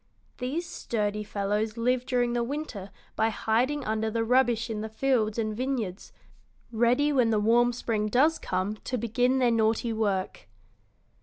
These sturdy fellows live during the winter by hiding under the rubbish in the fields and vineyards, ready when the warm spring does come to begin their naughty work."